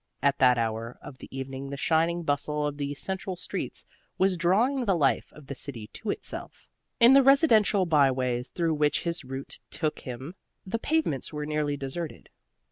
At that hour of the evening the shining bustle of the central streets was drawing the life of the city to itself. In the residential by ways through which his route took him the pavements were nearly deserted.